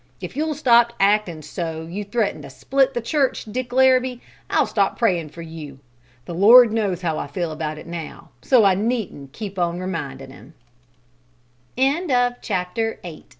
If you'll stop actin' so you threaten to split the church, Dick Larrabee, I'll stop prayin' for you. The Lord knows how I feel about it now, so I needn't keep on remindin' Him." IX "That's a barg